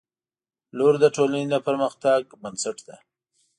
• لور د ټولنې د پرمختګ بنسټ ده.